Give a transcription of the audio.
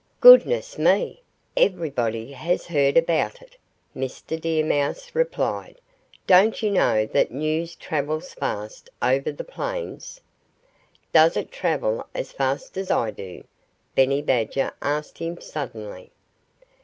"Goodness me! Everybody has heard about it," Mr. Deer Mouse replied. "Don't you know that news travels fast over the plains?" "Does it travel as fast as I do?" Benny Badger asked him suddenly.